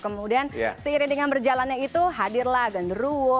kemudian seiring dengan berjalannya itu hadirlah genderuo